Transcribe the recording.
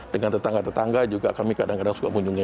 dengan tetangga tetangga juga kami kadang kadang suka mengunjungi